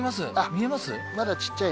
見えます